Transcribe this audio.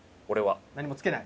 何もつけない？